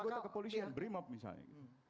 anggota kepolisian brimob misalnya